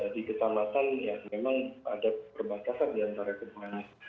di ketamatan ya memang ada perbatasan di antara kedua duanya